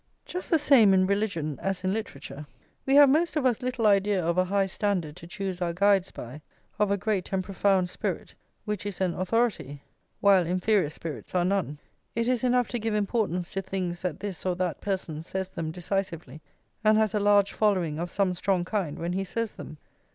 Just the same in religion as in literature. We have most of us little idea of a high standard to choose our guides by, of a great and profound spirit, which is an authority, while inferior spirits are none; it is enough to give importance to things that this or that person says them decisively, and has a large following of some strong kind when he says them.